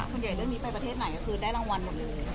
ส่วนใหญ่เรื่องนี้ไปประเทศไหนก็คือได้รางวัลหมดเลย